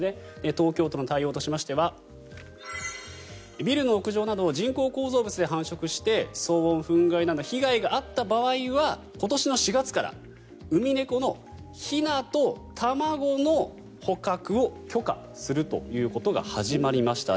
東京都の対応としましてはビルの屋上など人工構造物で繁殖して騒音、フン害など被害があった場合は今年の４月からウミネコのひなと卵の捕獲を許可するということが始まりました。